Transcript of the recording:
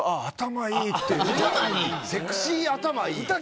セクシー頭いい。